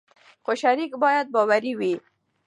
خو شریک باید باوري وي.